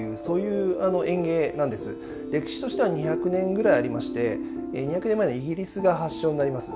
歴史としては２００年ぐらいありまして２００年前のイギリスが発祥になります。